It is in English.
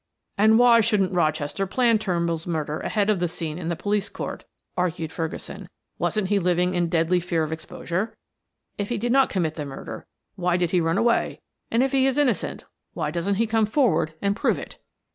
"And why shouldn't Rochester plan Turnbull's murder ahead of the scene in the police court?" argued Ferguson. "Wasn't he living in deadly fear of exposure? If he did not commit the murder, why did he run away? And if he is innocent, why doesn't he come forward and prove it?"